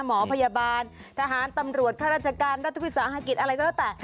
หมอพยาบาลทหารตำรวจข้าราชการรัฐวิสาหกิจอะไรก็แล้วแต่